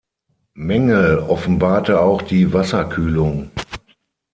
Mängel offenbarte auch die Wasserkühlung.